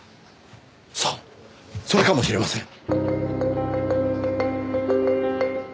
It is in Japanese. そうそれかもしれません。